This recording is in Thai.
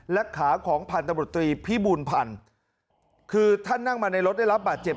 และขาของพันธบรตรีพิบูลพันธ์คือท่านนั่งมาในรถได้รับบาดเจ็บ